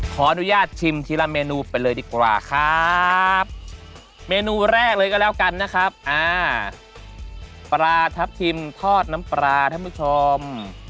ขออนุญาตชิมทีละเมนูไปเลยดีกว่าครับเมนูแรกเลยก็แล้วกันนะครับอ่าปลาทับทิมทอดน้ำปลาท่านผู้ชม